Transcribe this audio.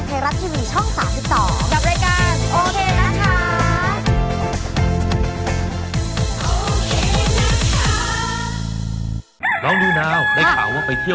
ตามในตลอดข่าวข่าวดี